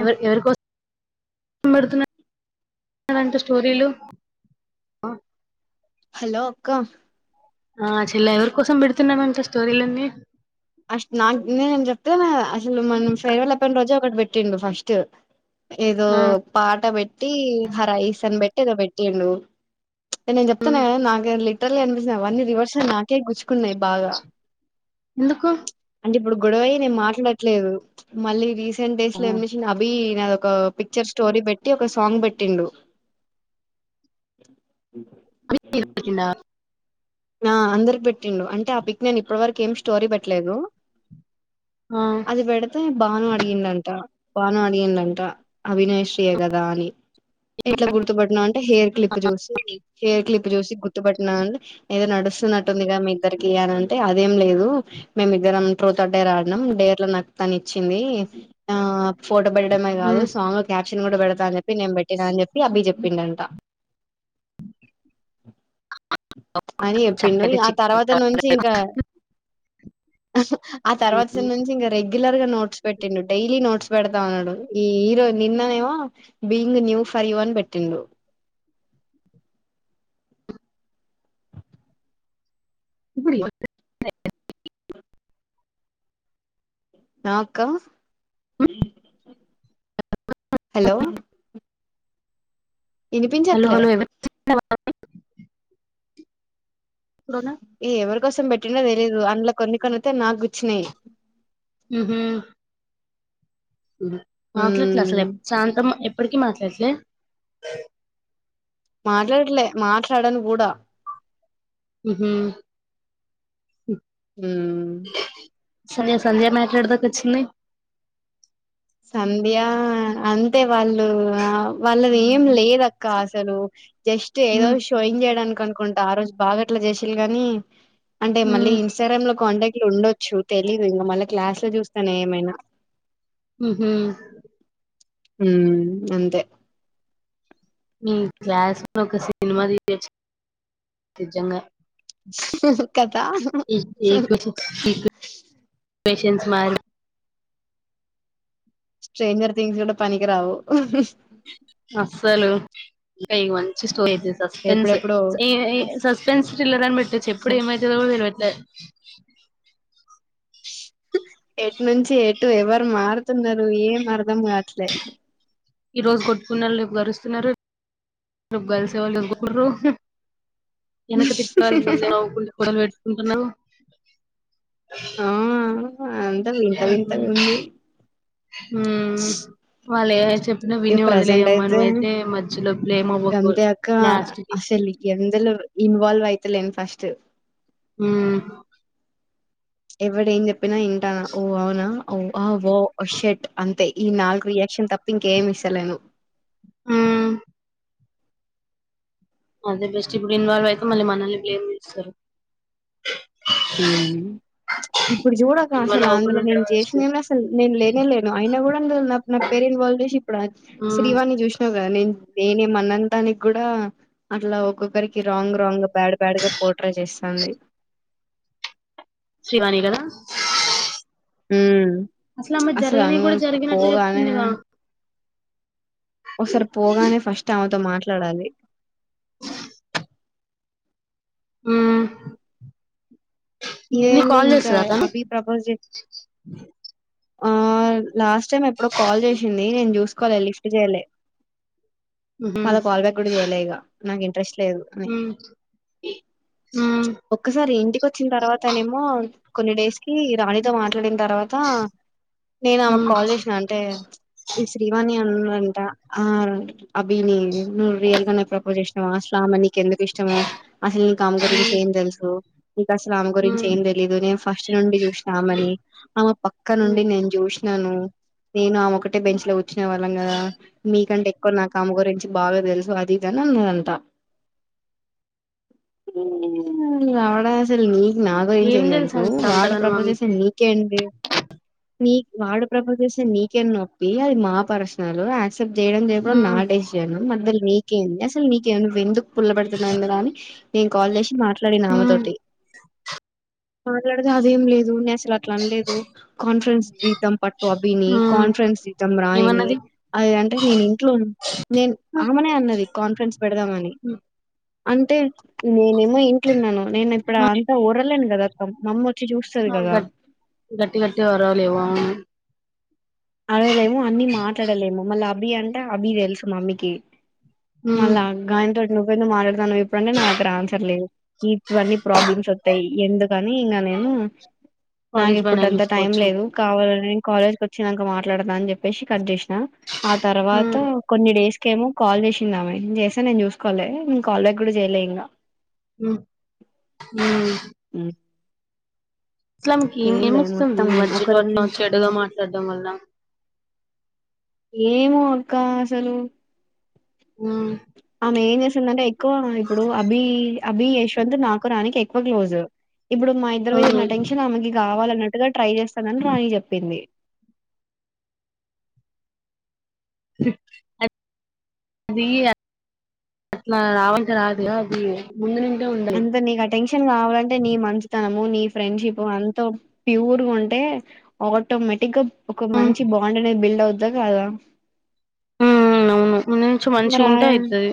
ఎవ ఎవరికో డుతున్న ట స్టోరీలు హలో అక్క ఆ చెల్లె ఎవరి కోసం పెడుతున్నామ అంతా స్టోరీలన్నీ అ నాకు నేనును చెప్తే అసలు మనం ఫ్రైవేళప్పయిన రోజు ఒకటి పెట్టిండు ఫస్ట్ ఏదో ఆ పాట పెట్ టి హరైస్ అని పెట్టి ఏదో పెట్టిండు నేను ఉమ్, చెప్తున్న కదా నాగాని లెటర్ అనిపిస్తున అవన్నీ రివర్స్లో నాకే గుచ్చుకున్నాయి బాగా ఎందుకు అంటే ఇప్పుడు గొడవై నేను మాట్లాడట్లేదు మళ్ళీ రీసె టెన్ డేస్ ఆ, లో మిషన్లు అభి నేను అదొక పిక్చర్ స్టోరీ పెట్టి ఒక సాంగ్ పెట్టిండు అవి పెట్టిండా ఆ అందరికి పెట్టిండు అంటే ఆ పిక్ నేను ఇప్పటి వరకు ఏమి స్టోరీ పెట్టలేదు ఆ, అది పెడితే బాను అడిగిందంట భాను అడిగిండంట అవినాష్ ఏ కదా అని ఎట్లా గుర్తుపట్టినవ్ అంటే హెయిర్ క్లిప్ చూసి హెయిర్ క్లిప్ జోషి గుర్తుపట్టి అని ఏదో నడుస్తున్నట్టుందిగా మీ ఇద్దరికి అని అంటే అదేం లేదు మేమి ఇద్దరం ట్రూత్ ఆర్డర్ ఆడినాం డేర్లో నాకు తను ఇచ్చింది ఆ ఫోటో పెట్టడమే కాదు ఉమ్, సాంగ్ లో క్యాప్షన్ కూడా పెడ సానియా పిన్ని నేను పెట్టినా అని చెప్పి అభి చెప్పిండంట అని చెప్పిండు చక్కటి ఇక ఆ చిక్కటి తర్వాత నుంచి ఇంకా ఆ ఉమ్, తర్వాత నుంచి ఇంకా రెగ్యులర్ గా నోట్స్ పెట్టిండు డైలీ నోట్స్ పెడతా ఉన్నాడు ఈ హీరో నిన్ననేమో బీయింగ్ న్యూ ఫర్ యు పెట్టిండు ఇప్పుడు నాకా ఉమ్, హలో హలో ఇనిపించట్లే హలో ఎవరు ఇప్పుడునా? ఇ ఎవరు కోసం పెట్టినా తెలియదు అందులో కొన్ని కొనితే నాకుచ్చినాయి ఓహ మాట్లాట్లే అసలు మ్మ్ ఎప్ప సాయంత్రం ఎప్పటికీ మాట్లా ఎట్లే మాట్లాడలే మాట్లాడన్ కూడా ఓహ ఉ సంధ్య సంధ్య మ్యాటర్ ఏడి దాక వచ్చింది సంధ్య అంతే వాళ్ళు వాళ్ళ ఏం లేదక్క అసలు జస్ట్ ఏదో ఉమ్, షోయింగ్ చేయడానికి అను కుంట ఆ రోజు బాగాట్లా చేసిలు గాని అంటే మళ్ళీ ఉమ్, ఇన్స్ట్రాగ్రామ్ లో కాంటాక్ట్లు ఉండొచ్చు తెలీదు ఇంక మళ్ళ క్లాస్ ఎటు చూస్తా నేమైనా ఉహు ఉ అంతే మీ క్లాస్ లో ఒక సినిమా తీయొచ్చు నిజంగా కదా ఈ పేషన్స్ మైండ్ స్ట్రేయింజర్ థింగ్స్ కూడా పనికి రావు అస్సలు ఇంకా ఇ వంచి సోయేది సస్పెన్స్ ఎప్పుడెప్పుడో ఎ ఏ సస్పెన్స్ కిల్లర్ అని పెట్టచు ఎప్పుడు ఏమైతదో కూడా తేల్వది ద ఎటు నుంచి ఎటు ఎవరు మారు తున్నారు ఏం అర్థం కావట్లే ఈ రోజు కొట్టుకున్నళ్ళు రేపు కారుస్తున్నారు రేపు గలిసినోళ్ళు కొట్టుకుంటుళ్ళు ఎనక తిప్పే ఆల్ ముందేమో నవ్వుకుంటూ పుల్లల్లు పెట్టు ఉకున్నవ్ ఆ అంతా వింత వింతగుంది వాళ్ళ ఏం ఏం చెప్ ఇ ప్రెజెంట్ అయితే బ్లేమ్ అవ్వకు గంతే అక్క లాస్ట్ కి అసలు ఎందలో ఇన్వాల్వ్ అయి అయితలేను ఫస్ట్ ఉ ఎవడేమ్ చెప్ చెప్పిన వింటా ఓ అవునా ఓ ఆ ఓ షెట్ అంతే ఈ నాలుగు రియాక్షన్ తప్ప ఇంకేమి ఇస్తలేను మ్మ్ అదే బెస్ట్ ఇప్పుడు ఇన్వాల్వ్ అయితే మళ్ళీ మనల్ని బ్లేమ్ చేస్తారు ఉమ్ ఇప్పుడు చూడక ఇన్వాల్వ్ అసలు అవ్వకుండా అందులో నేను ఉండడం బెస్ట్ చేసినై కూడా అసలు నేను లేనే లేను అయినా కూడా అందు నా నా పేరే ఇన్వాల్ చేసి ఇప్పుడు మ్మ్ శ్రీవాణి చూసినావు కదా నేను నేనేం అనని దానికి కూడా అట్లా ఒక్కొక్కరికి రాంగ్ రాంగ్ బ్యాడ్ బ్యాడ్ గా పోట్రే చేస్తాంది శ్రీవాణి గదా ఉమ్ అసలు ఆమె జరగనయి కూడా జరిగినట్లు చెప్తుందిగా. ఒసారి పోగానే ఫస్ట్ ఆమే తో మాట్ ట్లాడాలి. ఉమ్ ఇదేంది ఇంకా అభి ప్రపోజ్ చే ఆ లాస్ట్ స్ట్ టైం ఎప్పుడో కాల్ చేశింది నేను చూస్ కోలే లిఫ్ట్ చేయలే ఉహు మళ కాల్బ్యాక్ కూడా చేయలే ఇగా. నాగెం ఇంట్రెస్ట్ లేదు అని. ఉ ఉ ఒక్కసారి ఇంటికోచ్చిన తర్వాత్ కొన్ని డేస్ కీ రాణితో మాట్లాడిన్ తర్వాతా, నేను ఉ ఆమెకు కాల్ చేశినా, అంటే ఈ శ్రీవాణి అన్ అంట. ఆ ర అభినీ నువ్ రియల్ గానే ప్రపోజ్ చేసినావా అస్లా ఆమెని. ఎందుకు ఇష్టమూ. అసలు నీకు ఆమె గురించి ఏం తెలుసూ. నీకసల్ ఆమె ఉ గురించ్ చి ఏం తెలీదు నేన్ ఫస్ట్ నుండి చూస్ ఆమెని. ఆమె పక్క ఉ నుండి నేను చూశిన్ ననూ. నేను ఆమె ఒక్కటే బెంచ్ లో కూర్చునే వాళ్ళం కదా. మీకంటే ఎక్కువ నాకు ఆమె గురించి బాగా తెలుసు అది ఇదని అన్నదంటా. డా అసల్ నీక్ నా గురించి ఏం తెలుసు తెలుసూ అంట వాడు అంతగనం ప్రపోజెస ఆమెకి నీకేంటి. నీక్ వాడు ప్రపోజ్ చేస్తే నీకేం నొప్పి. అది మా పర్సనల్ ఆక్ క్సెప్ట్ జేయడం ఉ జేయకపోవడం నా డెసిషను మద్దెల నీకేంది అసల్ నీకు నువు ఏందుక్ పుల్ల పెడుతున్నవ్ ఇందులో అనీ నేన్ కాల్ చేశి మాట్ ట్లాడిన ఆమె ఉ తోటి. మాట్లాడితే అదేం లేదు నే అసల్ సలు అట్లా అనలేదు. కాన్ఫరెన్స్ తీదాం పట్టు అభినీ ఉ కాన్ఫరెన్స్ తీదాం రాయినీ ఏమన్నది అది అంటే నేను ఇంట్లో నేన్ ఆమెనే అన్నది కాన్ఫరెన్స్ పెడదామని. ఉ అంటే నేనే నే ఇంట్లున్నాను నేన్ ఇప్పుడ చూడలేను కదా అక్క మమ్మీ, గట్ గట్టి గట్టిగా అరవాలేవ, అరావలేము అన్ని మాట్లాడలేము మల్ల, అభి అంటా అభి తెలుసు మమ్మకి, ఉ మల్ల గాయన తోటి, నువ్వెందుకు మాట్లాడు ఇప్పుడుంటే నా నా దగ్గర ఆన్సర్ లేదు. ఇవన్నీ ప్రాబ్లమ్స్ వస్తాయి ఎందుకని. ఇంకా నేను నాకు కాలేజ్ ఇప్పుడు పైన అంత టైం చూసుకోవచ్చు లేదు కావాలని, కాలేజ్ కో వచ్చినంక మాట్లాడుత అని చెప్పసి కట్ చేసి, ఆ ఉ తర్వాత కొన్ని డేస్, ఇంకేమో కాల్ చేసిందామే చేస్తే నేను చూసుకోవాలి నేను కాల్ బ్యాక్ కూడా చేయలే ఇంగా హు ఉహు ఉహు అసలాకి ఏమొస్తుంది మొత్తం మధ్యలో ఒకరి అట్ల చెడుగా మాట, దొంగలు దొంగ, ఏమో అక్క అసలు, ఉ ఆమె చేసు చేస్తుందంటే ఎక్కువ ఇప్పుడు అభి అభి యశ్వంత్ నాకు రాణికి ఎ ఎక్కువ క్లోజ్, ఇప్పుడు మా ఇద్దరి మీద అవును ఉన్న టెషన్ ఆమెకి కావాల, నటుగా ట్రై చేస్తాండు రాణి కి చెప్పింది, ఆ అది అట్లా రావల్సిన రాదు అది, ముందు నుండే ఉండాలి అంతే నీకు అటెన్షన్ కావాలంటే నీ మంచితనం, నీ ఫ్రెండ్షిప్ అంత ప్యూర్గా ఉంటే ఆటోమేటిక్ గా, ఒక ఉ మంచి బాండ్ అనేది బిల్డ్ అవు, ఏయేదా కాదా, హ అవును, ముందు నుంచి మంచిగా ఉంటే ఆ- అయితది,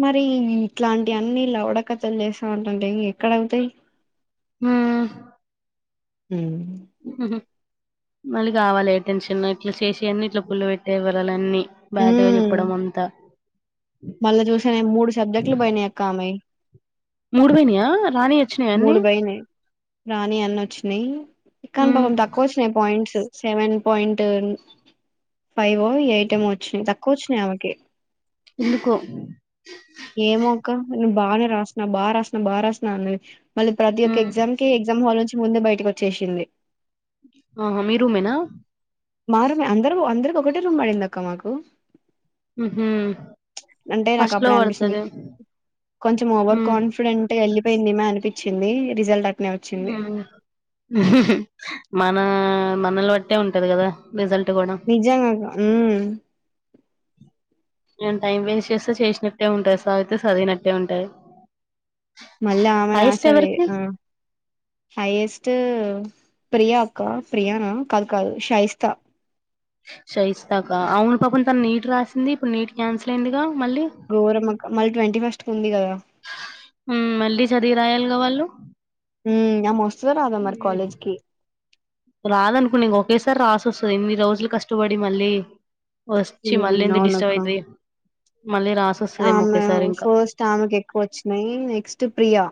మరి ఇట్లాంటి అన్ని లవడకథలు చేస్తా ఉంటంటే ఇంగా ఎక్కడవుతాయి, అహ ఉహు మళ్ళీ కావాలి ఏ టెన్షన్ ఇట్లా చేసివన్ని ఇట్లా పుల్ల పెట్టే ఏ వారాలు అన్నీ, బ్యాటగా చెప్పడం అంతా, మళ్ళ చూసిన మూడు సబ్జెక్టులు పోయినాయి ఆమెయి మూడుపోయ్నియా రాణియ మూడు పైనాయి రాణి అన్న వచ్చినాయి కాని హ్మ్. పాపం తక్కువ వచ్చినాయి points seven point five eight ఏమో వచ్చినాయి తక్కువ వచ్చినాయి ఆమెకి ఎందుకో ఏమో అక్క నేను బాగా రాస్నా బా రాస్నా బా రాస్నా అన్నది. మళ్ళ ప్రతి ఒక్క హ్మ్. ఎగ్జామ్ కి ఎగ్జామ్ హల్ నుంచి ముందే బయటకు వచ్చేసింది. ఆహా మీరుమేనా మా రూమే అందరు అందరి ఒకటటి రూమ్ పడిందక్క మాకు హుహు. అంటే నాకు ఫస్ట్‌లో అప్పుడే అనిపిస్తుంది పడతది. కొంచెం ఓవర్ హ్మ్. కాన్ఫిడెంట్గా వెళ్ళి అయిపోయిందేమో అనిపిచ్చింది రిజల్ట్ అక్ మన మనల్ని బట్టే ఉంటది కదా రిజల్ట్ గూడా. నిజంగా మ్మ్ నేను టైం వేస్ట్ చేస్తే చేసినట్టే ఉంటాయి శదివితే శదివినట్టే ఉంటాది. మళ్ళీ ఆమె ఆసవే ఆ హైయెస్టూ ప్రియా అక్క ప్రియానా కాదు కాదు షాయిస్తా షైస్తాక అవును పాపను తన నీట్ రాసింది ఇప్పుడు నీట్ క్యాన్సల్ అయిందిగా మళ్ళీ ఘోరమక్క మళ్ళీ ట్వంటీ ఫస్ట్ కి ఉంది కదా అక్క వాళ్ళు మ్మ్ ఆమె వస్తుందో రాదో మరి కాలేజ్కి రాదనుకున్నా ఇంక ఒకేసారి రాసి వస్తుంది ఎన్ని రోజులు కష్టపడి మళ్ళీ వచ్చి ఉమ్ మళ్ళీ ఎందుకు డిస్టర్బ్ అవునక్క అయితాది ఆమె ఫస్ట్ ఆమెకు ఎక్కువ వచ్చినాయి నెక్స్ట్ ప్రియా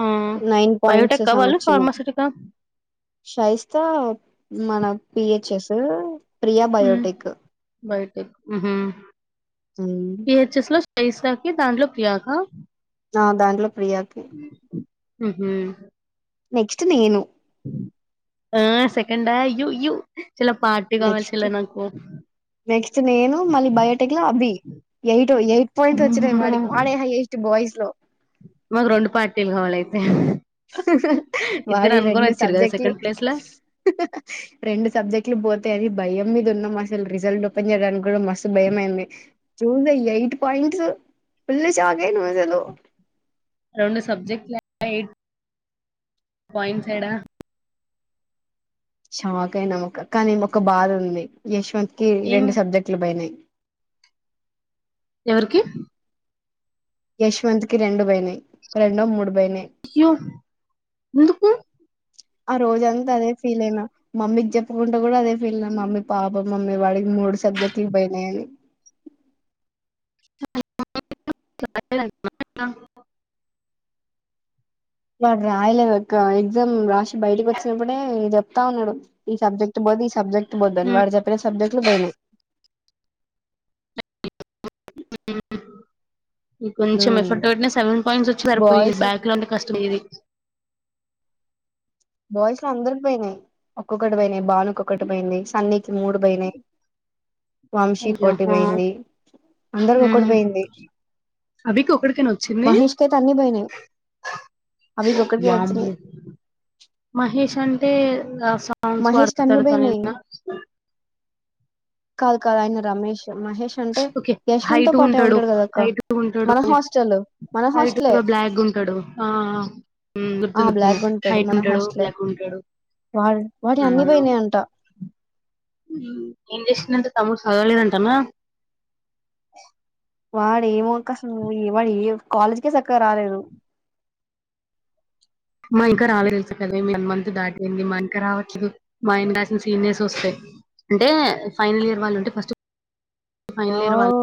హా నైన్ బయోటెక్కా వాళ్ళు ఫార్మసీటీ కా షైస్త మన పి హెచ్ ఎస్ ప్రియా మ్ బయోటెక్ బయోటెక్ మ్మ్ ఉమ్, పి హెచ్ ఎస్ లో పైస్తాకి దాండ్లో ప్రియాక నా దాంట్లో ప్రియాకి హ్మ్మ్ నెక్స్ట్ నేను ఆ second you you next, next నేను మళ్ళీ బయోటెక్ లో అబి, ఎయిట్ ఎయిట్ పాయింట్స్ వచ్చినాయి అమ్మో వాడికి వాడే హైయెస్ట్ బాయ్స్ స్లో మాకు రెండు పార్టీలు కావాలైతే వాడి రెండు వచ్చారు కదా సబ్జెక్టులు సెకండ్ ప్లేస్ లా రెండు సబ్జెక్టులు పోతే అది భయం మీద ఉన్నాం రిసల్ట్ ఓపెన్ చేయ కూడా మస్త్ భయమైంది చూజ అయ ఎయిట్ పాయింట్స్ పుల్ షాక్ అయినం అసలు రెండు సబ్జెక్ట్ ఎయిట్ పాయింట్స్ ఎడా షాక్ అయినాముక కానీ ఒక బాద ఉంది యశ్వంత్ కి ఏం రెండు సబ్జెక్టులు పోయినాయి ఎవరికి యశ్వంత్ కి రెండు పోయినాయి రెండో మూడు పోయినాయి అయ్యో ఎందుకు ఆ రోజ అంతా అదే ఫీల్ అయినా, మమ్మీకి చెప్పుకుంటా కూడా అదే ఫీల్ అయినా మమ్మీ పాపం మమ్మీ వాడికి మూడు సబ్జెక్ట్లు పోయినాయి అని [inaudible] నాడు రాయలేదు అక్క, ఎగ్జామ్ రాసి బయటకి వచ్చినప్పుడే చెప్తా ఉన్నాడు ఈ సబ్జెక్ట్ పోతే ఈ సబ్జెక్ట్ ద్దని వాడు చేపిన సబ్జెక్ట్లు పోయినయ్ ఇ కొంచెం ఎఫర్ట్ పెట్ సెవెన్ పాయింట్స్ వచ్చి సరిపోయి బాయ్స్ బ్యాక్ లో అంటే కష్టం ఇది బాయ్స్ లో అందరి పోనాయి, ఒక్కొక్కటి పోయినాయి బాలుకొక్కటి పోయింది, సన్నీకి మూడు పోనాయి. అయ్యా హ అందరికి ఒకటి పోయింది అభకి ఒకడికైనా వచ్చింది మహేష్ కి అయితే అన్ని పోయినాయి అవికి ఒక్కడికే వచ్చినాయి మహేష్ అంటే [inaudible] సౌండ్స్ మహేష్ వర్తడుతనున్న కాద్ కాద్ ఆయన రమేష్ మహేష్ అంటే ఓకే యశ్వంత్ తో హైట్ పాటే ఉంటాడు, కదా అక్క హైట్ ఉంటాడు, మన హాస్టల్ మన హాస్టలే హైట్గా బ్లాక్ ఉంటాడు, ఆ ఆ గుర్తు గుర్తు బ్లాక్ ఉంది గా హైట్ మన ఉంటాడు బ్లాక్ ఉంటాడు వాటి అన్ని పోయినా అంట ఇండెక్షన్ అంత తము సదాలేదంటానా వాడు ఏం అవకాశంవ్వు వాడు ఏ కాలేజ్కే చక్కగా రాలేదు మా ఇంకా రాలదు తెలుసు కదా మంత్ దాటింది, మా ఇంకా రావచ్చదు మా ఆయన రాసిన సీనియర్స్ వస్తాయి, అంటే ఫైనల్ ఇయర్ వాళ్ళు ఉంటే ఫస్ట్ ఫైనల్ ఇయర్ వాళ్ళ వావ్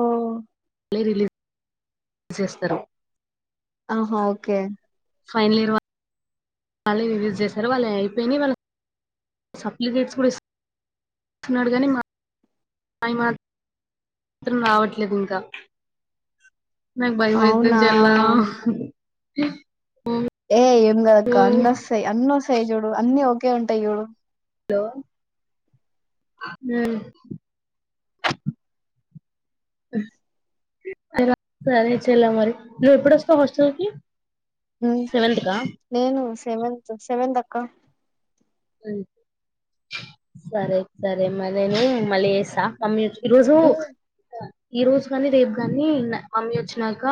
రిలీజ్ ర చేస్తారు ఆహా ఓకే ఫైనల్ ఇయార్ వాళ్ళ యూజ్ చేశారు వాళ్ళు ఏ అయిపోయియి వాళ్ళ సప్లికెంట్స్ కూడా ఇ ఇస్తున్నాడు కానీ మా మాత్రం రావట్లేదు ఇంకా నాకు భయ అవునా అయితదిజల్లా ఏ ఏం ఓ కదక్క అన్నోస్తా అన్నో వస్తాయి చూడు అన్నిీ ఒకే ఉంటాయి చూడు హలో వెళా మరి నువ్వు ఎప్పుడుొస్తావు హాస్టల్కిి హ నేను సేవంత్ సేవంత్ అక్క సరే సరే మరి నిను మల్లీ చేస్తా మమ్మీ వచ్ ఈ రోజు ఉమ్, ఈ రోజు కానీ రేపు కాని మమ్మీ వచ్చినాక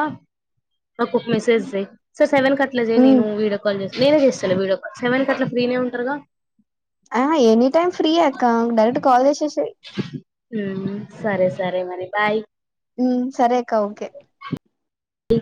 నాకు ఒక మెసేజ్ చెయ్ సో సెవెన్ కట్ల ఛాయ్ ఉమ్. నేను వీడియో కాల్ చేస్తాను నేనే చేస్తా లే వీడియో కాల్ సెవెన్ కి అట్లా ఫ్రీనే ఉంటారు గా ఆ ఎనీ టైమ్ ఫ్రీ ఏ అక్క డైరెక్ట్ కాల్ చేసే హు సరే సరే మరి బాయ్ హు సరే అక్క ఓకే అ